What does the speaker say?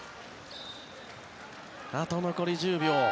あと残り１０秒。